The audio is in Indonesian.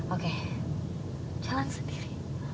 oke jalan sendiri